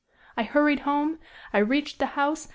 I hurried home. I reached the house.